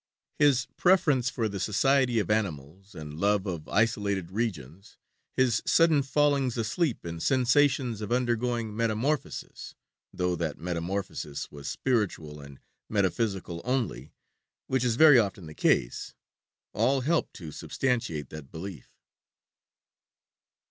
His preference for the society of animals and love of isolated regions; his sudden fallings asleep and sensations of undergoing metamorphosis, though that metamorphosis was spiritual and metaphysical only, which is very often the case, all help to substantiate that belief.